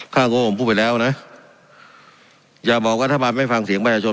ข้าวโกหกผมพูดไปแล้วนะอย่าบอกว่าถ้ามาไม่ฟังเสียงบรรยาชน